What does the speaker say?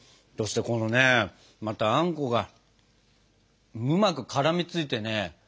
そしてこのねあんこがうまく絡みついてね